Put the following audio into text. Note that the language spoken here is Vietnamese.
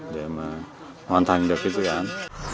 để mà hoàn thành được cái dự án